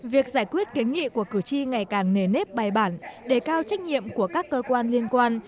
việc giải quyết kiến nghị của cử tri ngày càng nề nếp bài bản đề cao trách nhiệm của các cơ quan liên quan